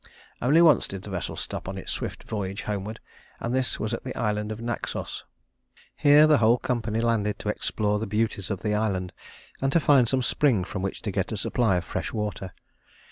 Only once did the vessel stop on its swift voyage homeward, and this was at the island of Naxos. Here the whole company landed to explore the beauties of the island, and to find some spring from which to get a supply of fresh water.